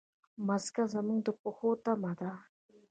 مځکه زموږ د پښو تمه ده.